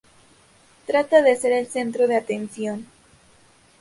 Trata de ser el centro de atención.